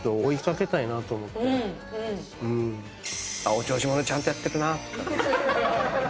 お調子者ちゃんとやってるな！とかね。